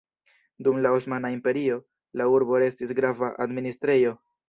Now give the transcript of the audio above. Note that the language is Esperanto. Dum la Osmana Imperio la urbo restis grava administrejo.